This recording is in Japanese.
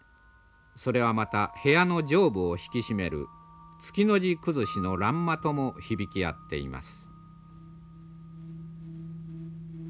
それはまた部屋の上部を引き締める月の字くずしの欄間とも響き合っています。